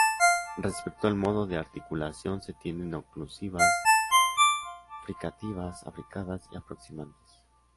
Respecto al modo de articulación se tienen oclusivas, fricativas, africadas y aproximantes.